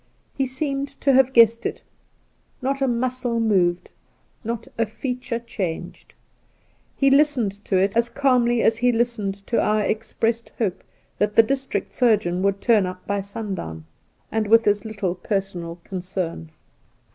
He seemed to have guessed it : not a muscle moved, not a feature changed. He listened to it as calmly as he listened to our expressed hope that the district surgeon would turn up by sundown, and with as little personal concern.